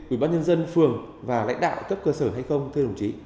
ủy ban nhân dân phường và lãnh đạo cấp cơ sở hay không